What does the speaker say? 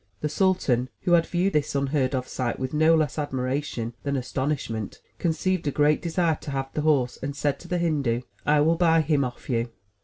The sultan, who had viewed this unheard of sight with no less admiration than astonishment, conceived a great desire to have the horse, and said to the Hindu : "I will buy him of you."